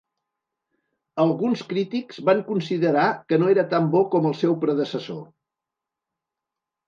Alguns crítics van considerar que no era tan bo com el seu predecessor.